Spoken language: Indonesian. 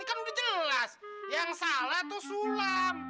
ini kan udah jelas yang salah tuh sulap